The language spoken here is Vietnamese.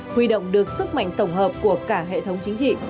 huy động được sức mạnh tổng hợp của cả hệ thống chính trị